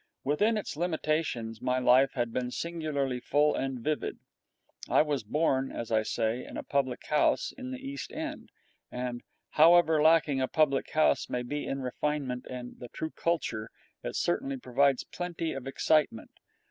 Within its limitations, my life had been singularly full and vivid. I was born, as I say, in a public house in the East End, and, however lacking a public house may be in refinement and the true culture, it certainly provides plenty of excitement.